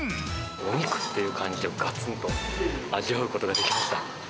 お肉って感じで、がつんと味わうことができました。